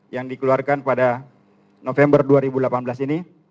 yang dikeluarkan pada november dua ribu delapan belas ini